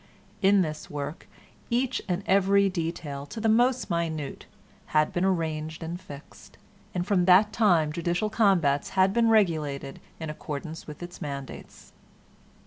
In this work each and every detail, to the most minute, had been arranged and fixed, and from that time judicial combats had been regulated in accordance with its mandates.